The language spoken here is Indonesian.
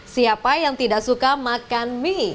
siapa yang tidak suka makan mie